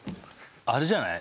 あれじゃない？